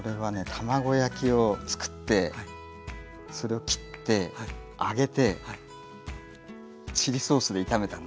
卵焼きをつくってそれを切って揚げてチリソースで炒めたんですよ。